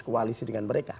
koalisi dengan mereka